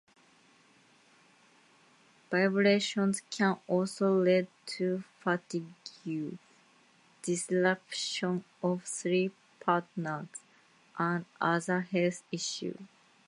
Vibrations can also lead to fatigue, disruption of sleep patterns, and other health issues.